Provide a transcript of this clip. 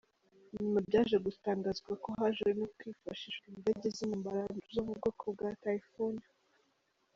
Nyuma byaje gutangazwa ko haje no kwifashishwa indege z’intambara zo mubwoko bwa Typhoon.